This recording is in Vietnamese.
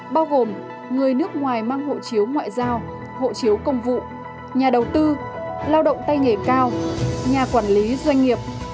bao gồm người nước ngoài mang hộ chiếu ngoại giao hộ chiếu công vụ nhà đầu tư lao động tay nghề cao nhà quản lý doanh nghiệp